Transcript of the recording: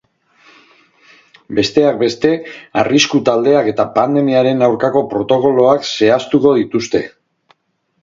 Besteak beste, arrisku taldeak eta pandemiaren aurkako protokoloak zehaztuko dituzte.